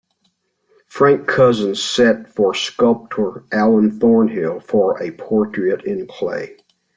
Frank Cousins sat for sculptor Alan Thornhill for a portrait in clay.